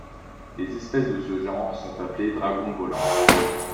Les espèces de ce genre sont appelées Dragons volants.